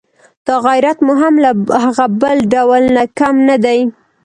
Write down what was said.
دا غیرت مو هم له هغه بل ډول نه کم نه دی.